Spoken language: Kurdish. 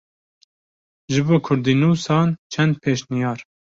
Ji bo kurdînûsan çend pêşniyar.